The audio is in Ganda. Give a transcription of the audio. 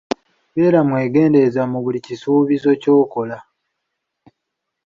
Beera mwegendereza mu buli kisuubizo ky'okola.